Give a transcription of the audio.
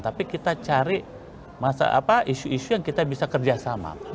tapi kita cari isu isu yang kita bisa kerjasama